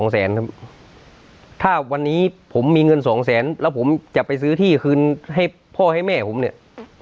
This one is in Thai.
ครับถ้าวันนี้ผมมีเงิน๒แสนแล้วผมจะไปซื้อที่คืนให้พ่อให้แม่ผมเนี่ย